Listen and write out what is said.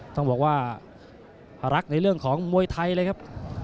ต้องบอกว่ารักในเรื่องของมวยไทยเลยครับ